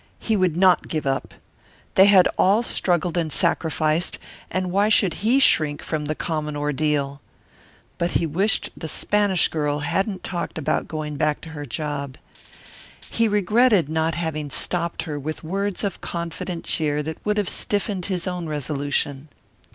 He would not give up. They had all struggled and sacrificed, and why should he shrink from the common ordeal? But he wished the Spanish girl hadn't talked about going back to her job. He regretted not having stopped her with words of confident cheer that would have stiffened his own resolution.